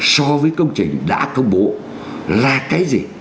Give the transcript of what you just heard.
so với công trình đã công bố là cái gì